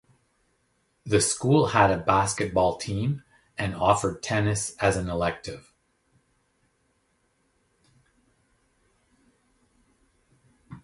The school had a basketball team and offered tennis as an elective.